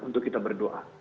untuk kita berdoa